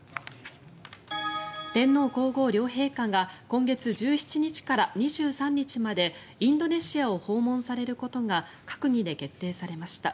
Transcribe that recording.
天皇・皇后両陛下が今月１７日から２３日までインドネシアを訪問されることが閣議で決定されました。